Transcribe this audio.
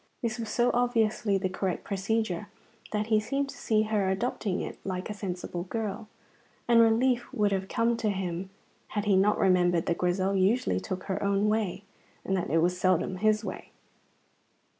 This was so obviously the correct procedure that he seemed to see her adopting it like a sensible girl, and relief would have come to him had he not remembered that Grizel usually took her own way, and that it was seldom his way.